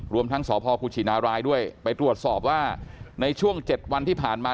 รวมทั้งสพกุชินารายด้วยไปตรวจสอบว่าในช่วง๗วันที่ผ่านมา